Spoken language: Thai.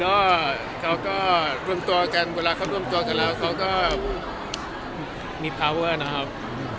ก็เขาก็รวมตัวกันเวลาเขารวมตัวกันแล้วเขาก็มีพาเวอร์นะครับ